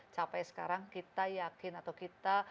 capek sekarang kita yakin atau kita